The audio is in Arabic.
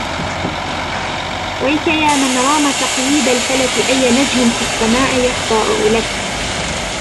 وَيْكَ يا مَنْ رَامَ تَقْييدَ الفَلَك أىُّ نَجْمٍ في السَّما يَخْضَعُ لَك